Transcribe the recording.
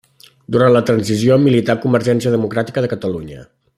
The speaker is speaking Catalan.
Durant la transició milità a Convergència Democràtica de Catalunya.